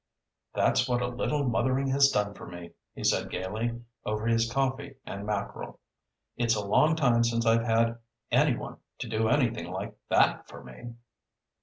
"That's what a little mothering has done for me," he said gayly, over his coffee and mackerel. "It's a long time since I've had any one to do anything like that for me."